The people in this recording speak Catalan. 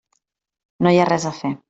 No hi ha res a fer.